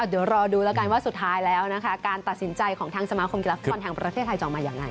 เดี๋ยวรอดูแล้วกันว่าสุดท้ายแล้วนะคะการตัดสินใจของทางสมาคมกีฬาฟุตบอลแห่งประเทศไทยจะออกมายังไง